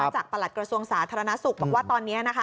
ประหลัดกระทรวงสาธารณสุขบอกว่าตอนนี้นะคะ